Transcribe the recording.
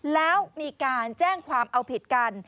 แล้วมีการแจ้งความเอาผิดกัน